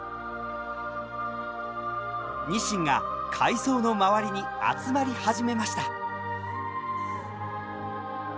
ニシンが海藻の周りに集まり始めました。